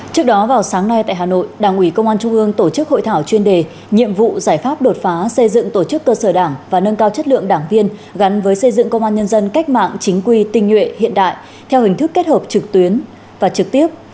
trước đó vào sáng nay tại hà nội đảng ủy công an trung ương tổ chức hội thảo chuyên đề nhiệm vụ giải pháp đột phá xây dựng tổ chức cơ sở đảng và nâng cao chất lượng đảng viên gắn với xây dựng công an nhân dân cách mạng chính quy tinh nhuệ hiện đại theo hình thức kết hợp trực tuyến và trực tiếp